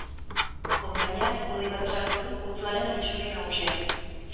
Konpainiak hodi bat sartu du putzuaren isuri nagusian.